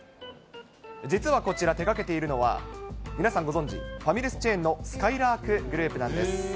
実はこちら、手がけているのは、皆さんご存じ、ファミレスチェーンのすかいらーくグループなんです。